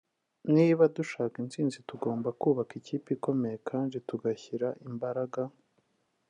niba dushaka intsinzi tugomba kubaka ikipe ikomeye kandi tugashyiramo imbaraga